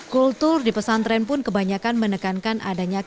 kultur di pesantren pun kebanyakan menekankan adanya